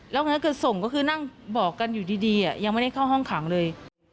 แล้ววันนั้นคือส่งก็คือนั่งบอกกันอยู่ดียังไม่ได้เข้าห้องขังเลย